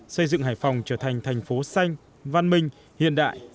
xây dựng hải phòng trở thành thành phố xanh văn minh hiện đại